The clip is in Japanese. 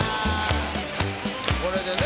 これでね。